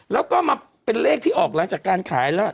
แล้วก็มาเป็นเลขที่ออกหลังจากการขายแล้ว